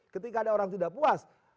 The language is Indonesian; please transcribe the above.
ketika ada orang tidak puas